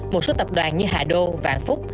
một số tập đoàn như hà đô vạn phúc